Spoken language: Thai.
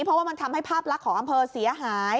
เพราะว่ามันทำให้ภาพลักษณ์ของอำเภอเสียหาย